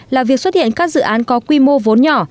là việc xuất hiện các dự án có quy mô vốn nhỏ